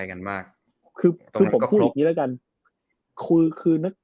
คือผมพูดอย่างนี้แล้วกัน